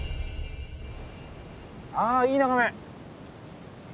あいい眺め。